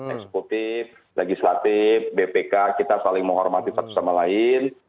eksekutif legislatif bpk kita saling menghormati satu sama lain